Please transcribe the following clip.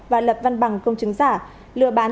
và lập văn bằng công chứng giả lừa bán